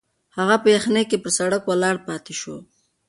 هغه په یخني کې پر سړک ولاړ پاتې شو.